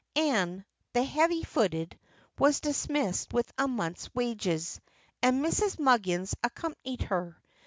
Ann, the heavy footed, was dismissed with a month's wages, and Mrs. Muggins accompanied her.